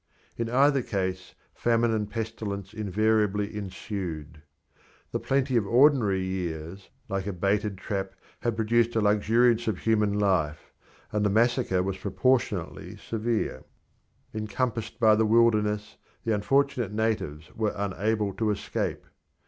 In either case famine and pestilence invariably ensued. The plenty of ordinary years, like a baited trap, had produced a luxuriance of human life, and the massacre was proportionally severe. Encompassed by the wilderness, the unfortunate natives were unable to escape.